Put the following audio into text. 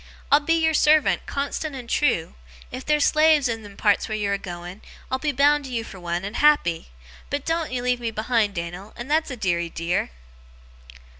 I'll be your servant, constant and trew. If there's slaves in them parts where you're a going, I'll be bound to you for one, and happy, but doen't ye leave me behind, Dan'l, that's a deary dear!